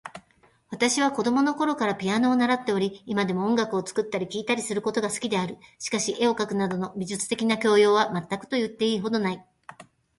私は子供のころからピアノを習っており、今でも音楽を作ったり聴いたりすることが好きである。しかし、絵を描くなどの美術的な教養は全くと言ってよいほどない。